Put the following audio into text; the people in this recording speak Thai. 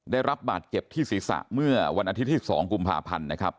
ได้รับบาดเจ็บที่ศีรษะเมื่อวันอาทิตย์ที่๒กุมภาพันธ์นะครับ